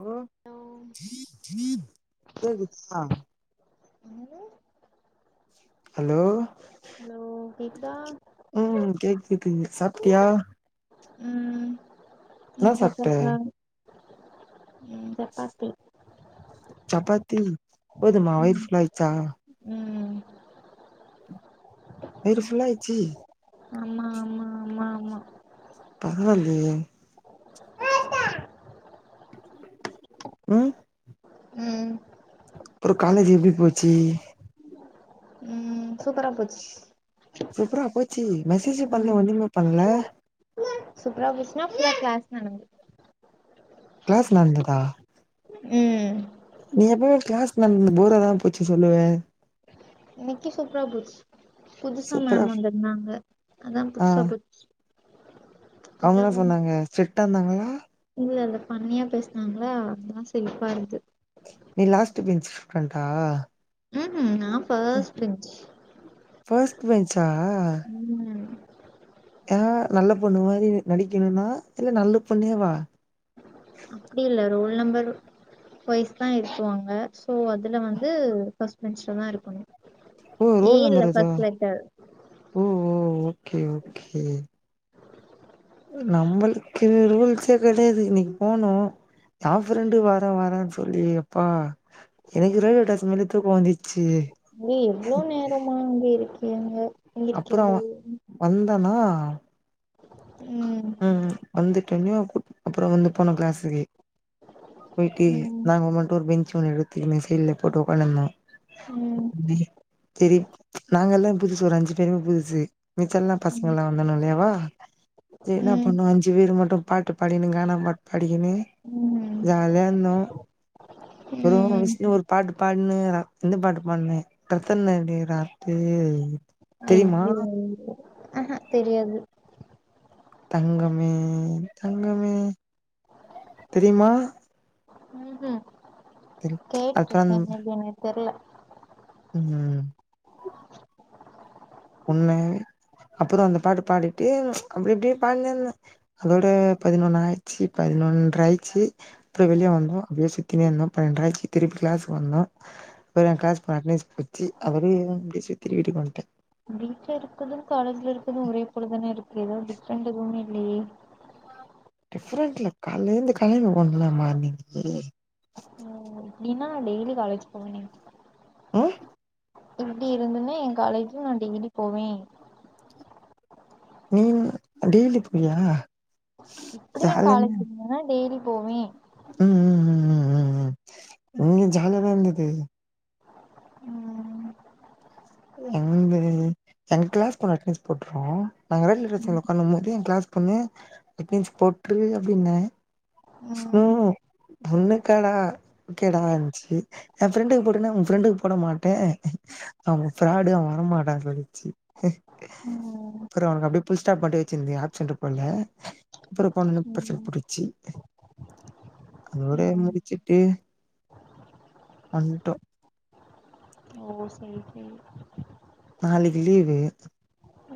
Hello கேக்குதா hello hello கேக்குதா ம் கேக் கேக்குதுங்க சாப்ட்டியா ம் என்னா என்ன சாப்ட்ட சாப்ட ம் சப்பாத்தி ம் போதுமா வயிறு ம் ஃபுல் ஆயிடுச்சா ம் வயிறு ஃபுல்லாயிடுச்சி ஆமா ஆமா ஆமா ஆமா பரவால்லயே ம் ம் அப்றோ காலேஜ் எப்டி போச்சு ம் சூப்பரா போச்சு சூப்பரா போச்சி மெசேஜே பண்ணல ம் ஒண்ணுமே பண்ணல சூப்பரா போச்சினா ஃபுல்லா கிளாஸ் நடந்து கிளாஸ் நடந்ததா ம் நீ எப்பமே கிளாஸ் நடந்தத போராதான போச்சி சொல்லுவ இன்னைக்கி சூப்பரா போச்சி புதுசா சூப்பரா மேம் வந்துருந்தாங்க அதா புதுசா போச்சு அவங்க கொஞ்சோ என்னா சொன்னாங்க ஸ்டிரிக்ட்டா இருந்தாங்ளா இல்ல இல்ல ஃபண்ணியா பேசினாங்கலா அதெல்லா சிரிப்பா இருந்து நீ லாஸ்ட் பெஞ்ச் ஸ்டுடன்டா ம்ஹூம் நா ஃபஸ்ட் பெஞ்ச் ஃபர்ஸ்ட் பெஞ்சா ம் ஆ நல்ல பொண்ணு மாரி நடிக்கணும்னா இல்ல நல்ல பொண்ணேவா அப்டி இல்ல ரோல் நம்பர் வய்ஸ்தா இருத்துவாங்க சோ அதுல வந்து ஃபஸ்ட் பெஞ்ச்லதா இருக்கணு ஓ ஏ ரோல் இல்ல நம்பர் இதுவா ஃபர்ஸ்ட் லெட்டர் ஓ ஓ ஓகே ஓகே நம்மளுக்கு ரூல்ஸே கெடையாது இன்னைக்கி போனோ எ ஃப்ரெண்டு வர வரன்னு சொல்லி எப்பா எனக்கு ரயில்வே டேஷன் மேலயே தூக்க வந்துச் சரி எவ்ளோ நேரமா அங்க இருக்கீங்க இங்க அப்பறோ இருக்கீங்க வந்தனா ம் ம் வந்துட்டோனயு கு அப்பறம் வந்து போன கிளாஸுக்கு போயிட்டு ம் நாங்க மட்டு ஒரு பெஞ்சு ஒண்ணு எடுத்துக்கினு சைட்ல போட்டு ஒக்காண்ட்டு ம் இருந்தோ சரி நாங்க எல்லா புதுசு ஒரு அஞ்சு பேருமே புதுசு மிச்ச எல்லா பசங்க ம் எல்லா வந்தானுவோலேயவா என்ன ம் பண்ணோ அஞ்சு பேர் மட்டு பாட்டு பாடினு கானா பாட்டு பா பாடிகினு ம் ஜாலியா இருந்தோ ப்றோ ம் விஷ்ணு ஒரு பாட்டு பாடுன்னுகிறா இந்த பாட்டு பாட்னு பிரத்தனடி றாத்து ஐயோய்யோ ஆஹஹா தெரியாது தங்கமே தங்கமே தெரியுமா உம்ஹும் தெரி அப்புறோ கேட்டுருக்கே பேபி எனக்கு தெர்ல ம்ஹும் ன்னே அப்புறோ அந்த பாட்டு பாடிட்டு அப்டி அப்டியே பாடினே இருந்தா அதோட பதினொன்னு ஆயிச்சி பதி னொன்றாயிச்சு ப்றோ வெளியே வந்தோம் அப்டியே சுத்தினே இருந்தோ பனென்றாயிச்சு திருப்பி க்ளாஸுக்கு வந்தோம் ப்றோ என் க்ளாஸ்க்கு போன அட்னஸ் புச்சி அபறோ அப்டியே சுத்தி வீட்க்கு வன்டே வீட்டுல இருக்கதும் காலேஜ்ல இருக்கதும் ஒரே போல தானே இருக்கு ஏதோ டிஃப்ரென்ட் எதுமேல்லயே டிஃப்ரென்ட்ல காலேந்து கலைன்னு ஒண்டலாமாருந்துச்சி டினா டெய்லி காலேஜ் போவனே [unintelligible] இப்டி இருந்துன்னா எ காலேஜ்ல நா டெய்லி போவே நீ ன்னா டெய்லி போவியா இப்டி எ காலேஜ் இருந்துன்னா டெய்லி போவே ம்ம்ம்ம்ம்ம்ம் ங்ங ஜாலியாதா இருந்தது ம்ம் வந்து எங்க கிளாஸ்க்கு ஒரு அட்னெஸ் போட்டுருவோ நாங்க ரயில்வே ம் ஸ்டேஷன்ல உக்கான்னுக்கும் போது என் கிளாஸ் பெண்ணு அட்னெஸ் போட்டுரு அப்டின்னே ஸ்லோ ம் உனக்காடா ஓக்கேடான்ச்சி என் ஃப்ரெண்டுக்கு போட்டேன்னா உன் ஃப்ரெண்டுக்கு போட மாட்டே அவன் பிராடு அவ வரமாட்டா சொல்லிச்சி ம் அப்புறோ அவனுக்கு அப்டியே ஃபுல் ஸ்டாப் மட்டு வச்சிருந்து ஆப்சண்ட் போட்ல அப்புறோ போனவுடனே பிரசெண்ட் ம் போட்டிருச்சி அங்க ஒரே ம். முடிச்சிட்டு வன்டோ ஓ செரி செரி நாளிக்கு லீவ்வு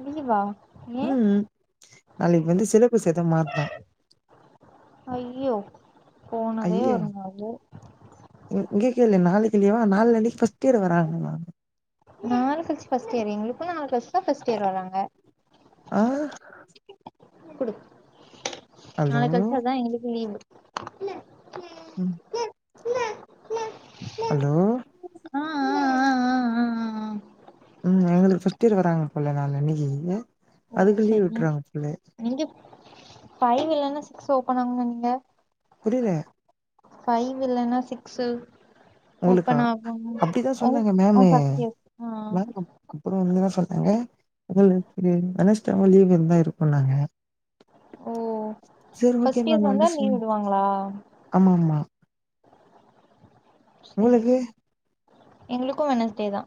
லீவா ஏ உம்ம் நாளிக்கி வந்து சிலப்ஃபஸ் எதோ மாறுதா ஐயோ போனதே ஒரு நாளு இர் இங்க கேளு நாளிக்கி லீவா நாளானைக்கி ஃபர்ஸ்ட் இயர் வராங்கலா நாளக்களுச்சு ஃப்ஸ்ட் இயர் எங்களுக்கு நாளக்களுச்சுதா ஃபர்ஸ்ட் இயர் வராங்க ஹா குடு நாளகளுச்சதா எங்களுக்கு லீவு ம் ஹலோ ஆ ஆ ஆ ஆ ஆ ஆ உம் எங்களுக்கு ஃபர்ஸ்ட் இயர் வராங்க போல நாள்னனிக்கி ஓ அதுக்கு லீவ் சரி விட்டுறாங்க போலே நீங்க ஃபைவ் இல்ன்னா சிக்ஸ் ஓப்பன் ஆகுனு நெனக்கே புரியல ஃபைவ் இல்லன்னா சிக்ஸு உங்களுக்கா ஓப்பன் ஆகுன்னு அப்டிதா ஹ் சொன்னாங்க அஹ் ஃபர்ஸ்ட் இயர் ஆ ஆ அப்புற வந்து என்ன சொன்னாங்க உங்களுக்கு வெனஸ்டே லீவ் இருந்தா இருக்குன்னாங்க ஓ சரி ஃபர்ஸ்ட் இயர்ஸ் ஓகேமேம் வந்தா லீவ் அன்டர்ஸ்டேன் விடுவாங்களா ஆமாம்மா செரி உங்களுக்கு செரி எங்களுக்கு வெனஸ்டே தா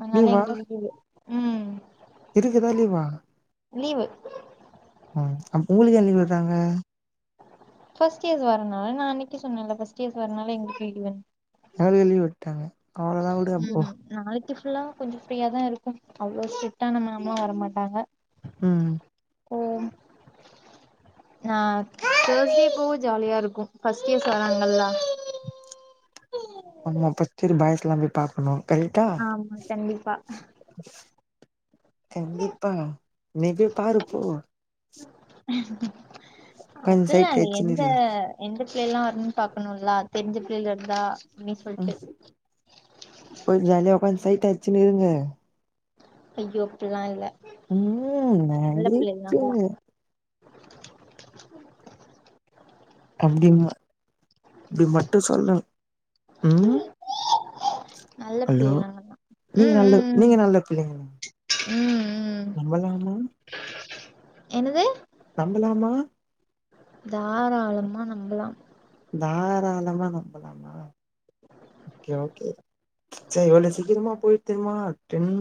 அதனால லீவா எங்க வீட்டுது ம் இருக்குதா லீவா லீவு அ உங்களுக்கே லீவுட்றாங்க ஃபர்ஸ்ட் இயர்ஸ் வரனால நா அன்னைக்கே சொன்னேன்ல ஃபர்ஸ்ட் இயர்ஸ் வரனால எங்களுக்கு லீவுனு எங்களுக்கு லீவு விட்டாங்க அவ்ளோதா வுடு அப்போ ம் நாளைக்கு ஃபுல்லா கொஞ்சோ ஃப்ரீயாதா இருக்கு அவ்ளோ ஸ்ட்ரிக்டான மேம்மெல்லா வரமாட்டாங்க அ ஓ நா தேர்ஸ்டே போ ஜாலியா இருக்கு ஃபர்ஸ்ட் இயர்ஸ் வர்றாங்கலா செரி பாய்ஸ்லா போய் பாக்கணு கரெக்டா ஆமா கண்டிப்பா கண்டிப்பா நீ போய் பாரு போ உக்காந்து அதல்லா சைட் இல்ல அடிச்சுனு எந்த இரு எந்த பிள்ளை எல்லா வருனுனு பாக்கணுல தெரிஞ்ச பிள்ளை இருந்தா அப்டின்னு அ சொல்ட்டு கொஞ்சோ ஜாலியா உக்காந்து சைட் அடிச்சுன்னு இருங்க ஐயோ அப்டில்லா இல்ல ம் நல்ல பிள்ளைங்க நாங்கல்லா நடிப்பிங்க அப்டிம்ப இது மட்டு சொல்றே ம் நல்ல ஹலோ பிள்ளைங்க நாங்கல்லா நீங்க ம் நல்ல ம் நீங்க நல்ல பிள்ளைங்களா ம் ம் ம் நம்பலாமா என்னது நம்பலாமா தாராளமா நம்பலா தாராளமா நம்பலாமா ஓகே ஓகே செரி எவ்ளோ சீக்கிரமா போய் திரும்புனா டென்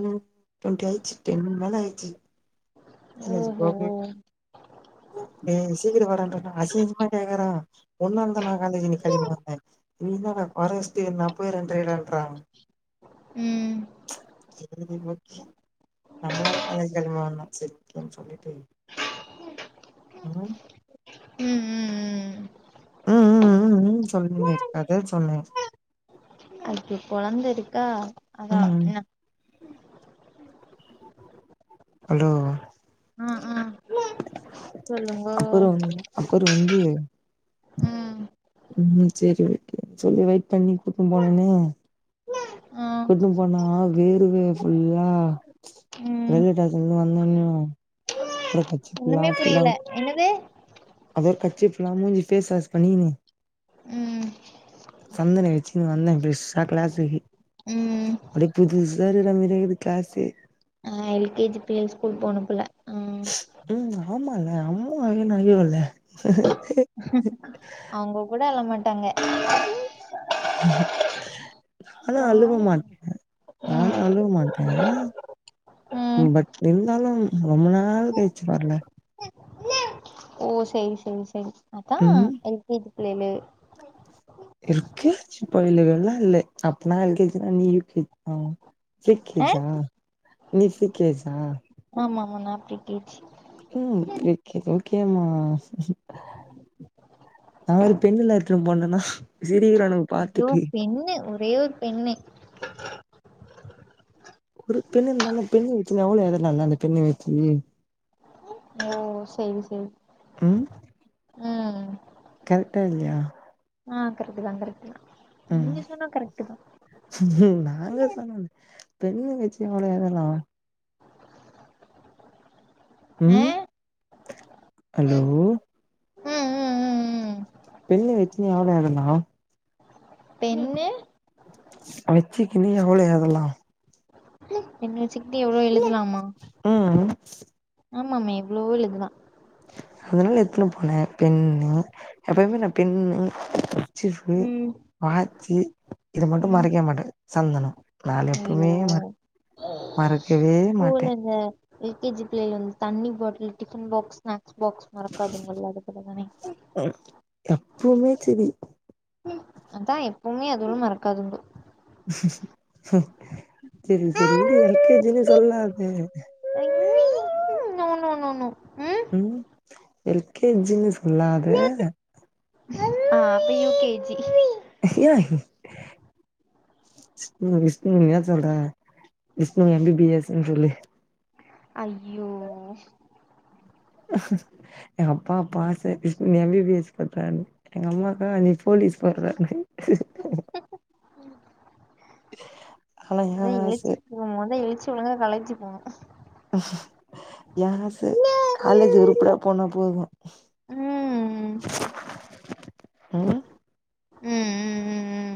டொண்ட்டி ஆயிச்சு டென் மேல ஆயிச்சு காலேஜ் ஓஹோ போக டேய் சீக்கிரம் வாடான்றே அசிங்க அசிங்கமா கேக்குறா ஒன்னால தா நா காலேஜ்ல [unintelligible] ம் மாட்னே நீதா வரவெஸ்டு நா ஒரு ரெண்டு ரென்ற ம் செரி அது ஓகே நம்மலால காலேஜ்ல [unintelligible] இருக்கேனு சொல்லிட்டு ம் ம் ம் ம் ம் ம் ம் சொல்ல இருக்கது அதா சொன்னே ஓகே கொழந்த இருக்கா அதா ம் என்ன ஹலோ ஆ ஆ சொல்லுங்கோ அப்புறம் அப்புற வந்து ம் ம் சேரி ஓகே செரி வெயிட் பண்ணி கூட்டு போனேனே ஆ கூட்டுனு போனா வேறுவேய ஃபுல்லா ம் ரயில்வே டேசன்ல இருந்து வந்தோனயு [unintelligible] ஒண்ணுமே புரியல என்னது அவர் கர்ச்சிப் இல்லாம மூஞ்சு பேஸ் வாஷ் பண்ணினு ம் சந்தன வச்சுன்னு வந்தே பிரெஷ்ஷா க்ளாசுக்கு ம் அப்டியே புதுசா இருக்குற மாறியே இருக்கு க்ளாசு எல்கேஜி ப்ளே ஸ்கூல் போனும் போல அ ம் ஆமால்ல அம்மா [unintelligible] இல்ல அவுங்க கூட அழ மாட்டாங்க நாலா அழுவ மாட்டே ம் நானு அழுவ மாட்டே ம் பட் இருந்தாலு ரொம்ப நாள் கழிச்சு வர்ல ஓ செரி செரி செரி அதா ம் எல்கேஜி பிள்ளையளு எல்கேஜி பயலுகலா இல்ல அப்பனா எல்கேஜின்னா நீ யூகேஜிதா ஆ ஃபிரிக்கேஜா நீ ஃபிரிக்கேஜா ஆமா அவதா பிரிகேஜி கேமா நா ஒரு பென்னுலா எடுத்துட்டு போனேன்னா சிரிக்குறானுங்க ஐயோ பென்னு ஒரே ஒரு பென்னு ஒரு பெண்ணு இருந்தா அந்த பெண்ண வெச்சுனு எவ்வளோ எழுதலால அந்த பெண்ண வெச்சினு ஓ செரி செரி ம் கரக்டா இல்லையா ஆ கரெக்ட்டுதா கரெக்ட்டுதா ம் இது நாங்க எங்க பென்னு வெச்சு எவ்ளோ எழுதலா ஆ ம் ஐயோ ம் ம் ம் ம் பெண்ணு வெச்சுனு யாரு அழுதா பென்னு வெச்சுக்குனு நீ எவ்வளோ எழுதலா பென்னு வெச்சுகிட்டு எவ்வளோ எழுதலா ம் ஆமாமே ப்ளூவு எதுவ அதெல்லா எத்துன்னு போனே பென்னு எப்பயுமே நா பென்னு கர்சீஃபு ம் வாச்சு இத மட்டு ம் மறக்கவே மாட்டே சந்தனோ நானு எப்பவுமே ஐயோ மற மறக்கவே மாட்டே ஸ்கூல்ல இந்த எல் கே ஜி பிள்ளைள அந்து தண்ணி பாட்டில் டிஃபன் பாக்ஸ்லா ஸ்பாக்ஸ் மறக்காதுனு ஏல்லா அதுக்குல தானே எப்பவுமே செரி அதா எப்பவுமே அதுவு மறக்காதுங்கு செரி செரி எங்க எல் கே ஜினு சொல்லாது நோ நோ நோ நோ ம் எல் கே ஜினு சொல்லாது ஆ அப்ப யூ கே ஜி [unintelligible] விஷ்ணு விஷ்ணுனு ஏ சொல்ற விஷ்ணு எம் பி பி எஸ்னு சொல்லு ஐயோ எங்க அப்பா அப்ப ஆச பேசாம எம் பி பி எஸ் பண்றானு எங்க அம்மாக்கா என்னய ஃபோலி ஸ் [unintelligible] ஆனா அதா ஏ ஆச எழுச்சி போமொது எழுச்சிவர்லனா களைச்சி போனு ஏ ஆச காலேஜ் உறுப்படியா போனா போது ம் ம் ம் ம்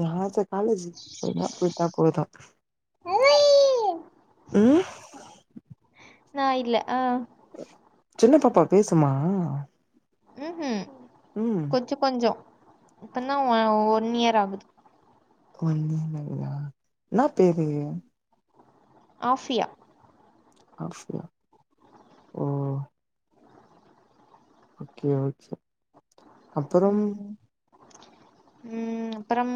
ஏ ஆச காலேஜு போனா போயிட்டா போது ம் நா இல்ல ஆ சின்ன பாப்பா பேசுமா ம் ம் ம் கொஞ்ச கொஞ்சோ இப்பந்தா வ ஒன் இயர் ஆகுது ஒன் இயர் ஆகுதா என்னா பேரு ஆஃபியா ஆஃபியா ஓ ஓகே ஓகே அப்புறம் ம் ம் அப்புறம்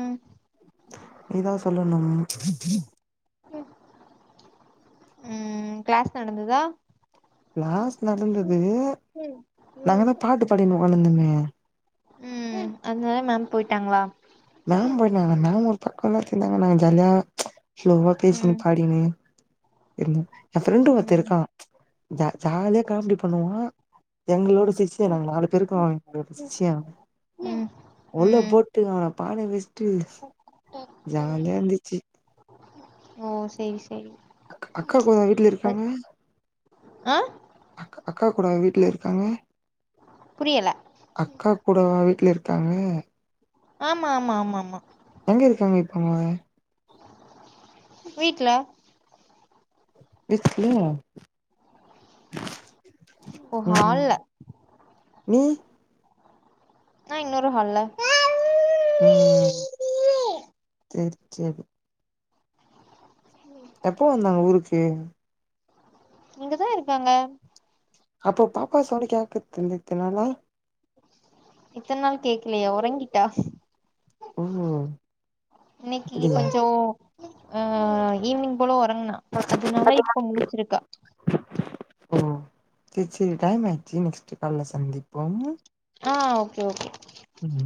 நீ தா சொல்லணும் ம் கிளாஸ் நடந்துதா கிளாஸ் நடந்தது நாங்கதா பாட்டு பாடின்ட்டு ஒக்காந்துருந்தமே ம் அதுனால மேம் போயிட்டாங்களா மேம் போய்ட்டாங்க நாமளு பக்கோ எல்லா வச்சுருந்தாங்க நாங்க ஜாலியா ஸ்லோவா பேசின்னு ம் பாடிகினு எம் எ ஃப்ரண்டு ஒருத்தே ம் இருக்கா ஜ ஜாலியா காமெடி பண்ணுவா எங்களோட சிஷ்யன் நாங்க நாலு பேருக்கு அவ சிஷ்யே அவே ம் உள்ள ம் போட்டு அவன பான வெச்சுட்டு ஜாலியா இருந்துச்சு ஓ செரி செரி அக் அக்கா கூடவா வீட்ல இருக்காங்க அ அக் அக்கா கூடவா வீட்ல இருக்காங்க புரியல அக்கா கூடவா வீட்ல இருக்காங்க ஆமா ஆமா ஆமா ஆமா எங்க இருக்காங்க இப்ப அவுங்க வீட்ல வீட்ல ஓ ம் ஹால்ல நீ நா இன்னொரு ஹால்ல உம் செரி செரி எப்போ வந்தாங்க ஊருக்கு தா இருக்காங்க அப்போ பாப்பா சவுண்ட் கேக்கறதில்ல இத்தனாளா இத்தன நாள் கேக்கலையா உறங்கிட்டா ஓ இன்னைக்கி அப்டியா கொஞ்சோ ஆ ஈவினிங் போலோ ஒறங்குனா அதனால இப்ப முழுச்சுருக்கா ஓ செரி செரி டைம் ஆயிச்சு நெக்ஸ்ட் கால்ல சந்திப்போ ஆ ஓகே ஓகே ம்